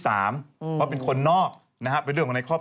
เพราะเป็นคนนอกเป็นเรื่องของในครอบครัว